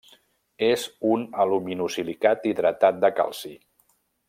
És un aluminosilicat hidratat de calci.